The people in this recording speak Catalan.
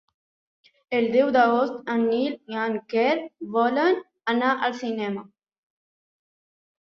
El deu d'agost en Nil i en Quer volen anar al cinema.